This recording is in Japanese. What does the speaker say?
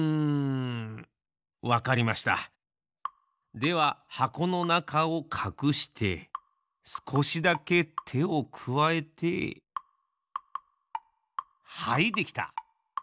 でははこのなかをかくしてすこしだけてをくわえてはいできた！